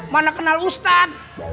mana kenal ustad